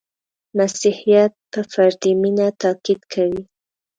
• مسیحیت په فردي مینه تأکید کوي.